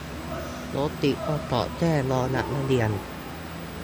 รถติดเพราะจอดแช่รอรับนักเรียน